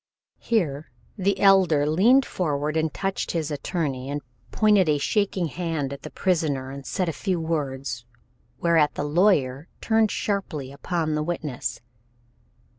Here the Elder leaned forward and touched his attorney, and pointed a shaking hand at the prisoner and said a few words, whereat the lawyer turned sharply upon the witness.